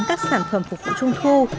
các sản phẩm phục vụ trung thu